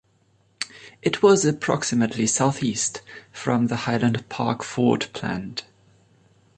It was approximately southeast from the Highland Park Ford Plant.